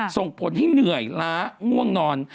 ส่งผลให้เหนื่อยล้าง่วงนอน